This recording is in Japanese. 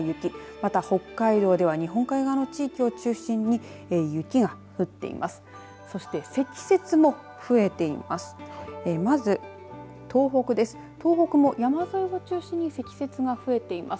また、北海道では日本海側の地域を中心に雪が降っています。